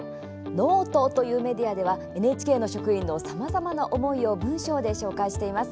ｎｏｔｅというメディアではＮＨＫの職員のさまざまな思いを文章で紹介しています。